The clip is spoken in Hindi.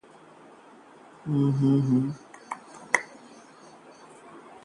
यमला पगला.. का पहला गाना रिलीज, 'नजरबट्टू' बने बॉबी देओल